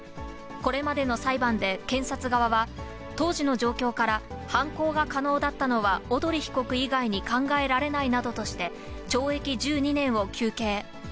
これまでの裁判で検察側は、当時の状況から、犯行が可能だったのは、小鳥被告以外に考えられないなどとして、懲役１２年を求刑。